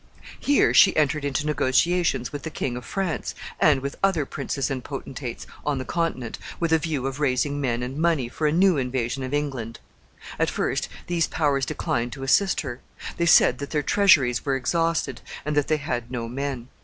Here she entered into negotiations with the King of France, and with other princes and potentates, on the Continent, with a view of raising men and money for a new invasion of England. At first these powers declined to assist her. They said that their treasuries were exhausted, and that they had no men.